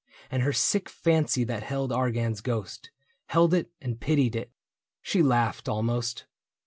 And her sick fancy that held Argan's ghost — Held it and pitied it. She laughed, almost.